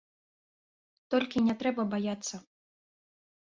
Толькі не трэба баяцца.